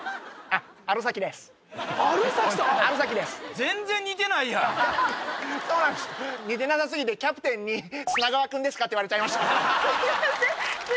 ある崎ですそうなんす似てなさすぎてキャプテンに「砂川くんですか？」って言われちゃいました